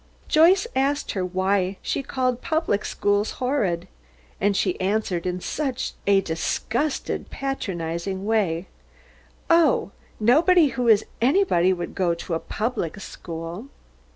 Joyce asked her why she called public schools horrid, and she answered in such a disgusted, patronising way, "Oh, nobody who is anybody would go to a public school."